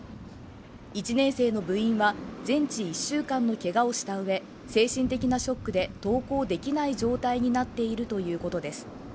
１年生の部員は全治１週間のけがをしたうえ、精神的なショックで登校できない状態になっているということです。